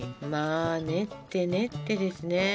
まあ練って練ってですね！